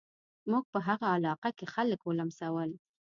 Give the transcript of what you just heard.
موږ په هغه علاقه کې خلک ولمسول.